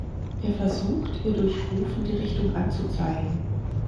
Er versucht, ihr durch Rufen die Richtung anzuzeigen.